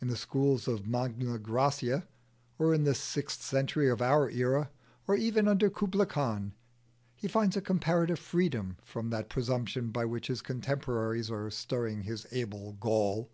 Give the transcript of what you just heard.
In the schools of Magna Graecia, or in the sixth century of our era, or even under Kublai Khan, he finds a comparative freedom from that presumption by which his contemporaries are stirring his able gall.